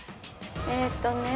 えっとね。